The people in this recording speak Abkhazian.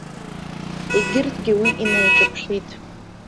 Егьырҭгьы уи инаиҿыԥшит.